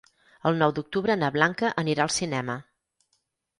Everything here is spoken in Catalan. El nou d'octubre na Blanca anirà al cinema.